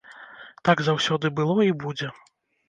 Так заўсёды было і будзе.